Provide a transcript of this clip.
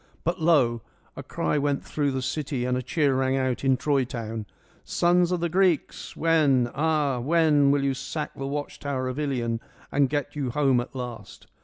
But lo ! a cry went through the city and a cheer rang out in Troy town —" Sons of the Greeks — when, ah when, will you sack the watch tower of I lion and get you home at last